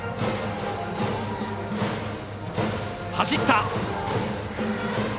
走った！